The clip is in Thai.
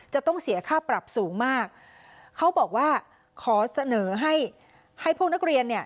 จะต้องเสียค่าปรับสูงมากเขาบอกว่าขอเสนอให้ให้พวกนักเรียนเนี่ย